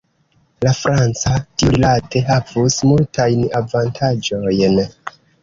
La franca, tiurilate, havus multajn avantaĝojn.